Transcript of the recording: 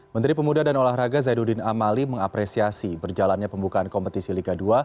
menteri pemuda dan olahraga zainuddin amali mengapresiasi berjalannya pembukaan kompetisi liga dua